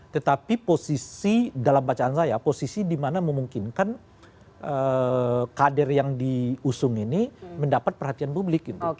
tetapi posisi dalam bacaan saya posisi di mana memungkinkan kader yang diusung ini mendapat perhatian publik gitu